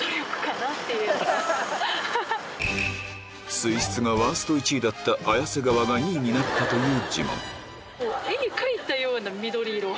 水質がワースト１位だった綾瀬川が２位になったという自慢